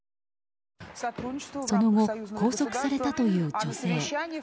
その後、拘束されたという女性。